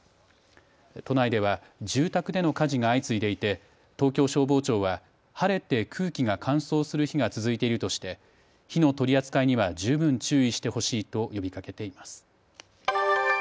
都内では住宅での火事が相次いでいて東京消防庁は晴れて空気が乾燥する日が続いているとして火の取り扱いには十分注意してほしいと呼びかけています。